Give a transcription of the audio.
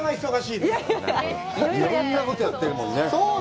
いろんなことをやってるもんね。